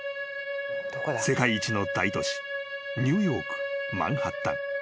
［世界一の大都市ニューヨークマンハッタン］